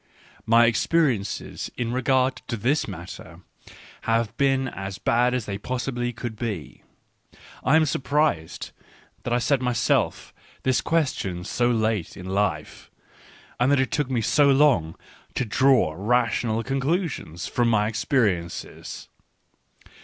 " My J>C experiencesln regard to this matter have been as bad as they possibly could be ; I am surprised that I set myself this question so late in life, and that it took me so long to draw " rational " conclusions from my experiences.